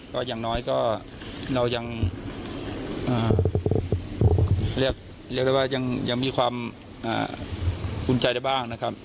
ก็อย่างน้อยก็เรายังเรียกได้ว่ายังมีความภูมิใจได้บ้างนะครับ